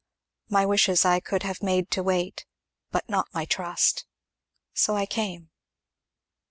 My wishes I could have made to wait, but not my trust. So I came."